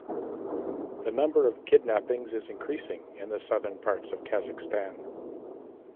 The number of kidnappings is increasing in the southern parts of Kazakhstan.